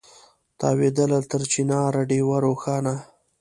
تاوېدله تر چنار ډېوه روښانه